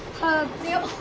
強っ！